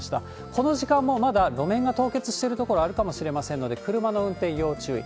この時間もまだ路面が凍結してる所、あるかもしれませんので、車の運転要注意。